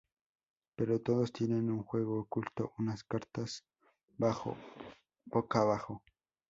Pero todos tienen un juego oculto, unas "cartas boca abajo".